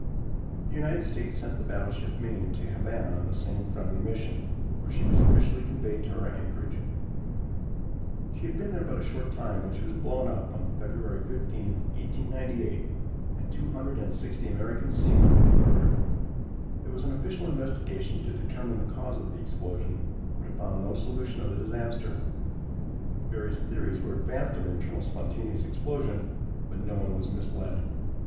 The United States sent the battleship Maine to Havana on the same friendly mission, where she was officially conveyed to her anchorage. She had been there but a short time when she was blown up, on Feb. 15, 1898, and 260 American seamen murdered. There was an official investigation to determine the cause of the explosion, but it found no solution of the disaster. Various theories were advanced of internal spontaneous explosion, but no one was misled.